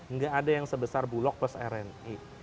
nggak ada yang sebesar bulog plus rni